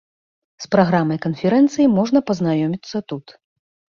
З праграмай канферэнцыі можна пазнаёміцца тут.